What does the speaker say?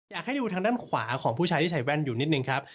อยากให้ดูทางด้านขวาของผู้ชายที่ใส่แว่นอยู่นิดนึงครับ